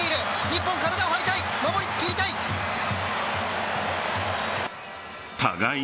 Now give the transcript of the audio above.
日本、体を張りたい守りきりたい。